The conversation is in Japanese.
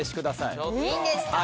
いいんですか？